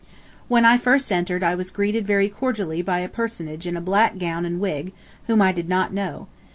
When I first entered I was greeted very cordially by a personage in a black gown and wig, whom I did not know.